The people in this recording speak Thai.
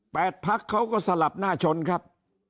พักเขาก็สลับหน้าชนครับ